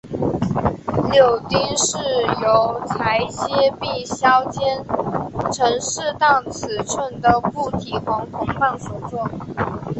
铆钉是由裁切并削尖成适当尺寸的固体黄铜棒所做。